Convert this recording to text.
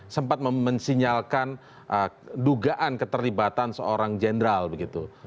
sempat mensinyalkan dugaan keterlibatan seorang jenderal begitu